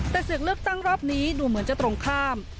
แต่เสียงเลือกตั้งรอบนี้ดูเหมือนจะตรงข้าม